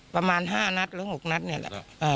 ประมาณ๕นัดหรือ๖นัดเนี่ยแหละ